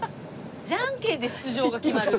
ジャンケンで出場が決まる。